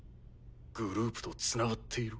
グループとつながっている？